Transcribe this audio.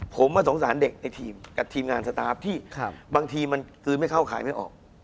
ผมสงสารเด็กในทีมกับทีมงานสตาร์ฟที่บางทีมันกลืนไม่เข้าขายไม่ออก